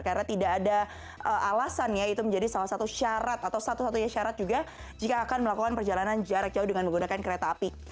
karena tidak ada alasannya itu menjadi salah satu syarat atau satu satunya syarat juga jika akan melakukan perjalanan jarak jauh dengan menggunakan kereta api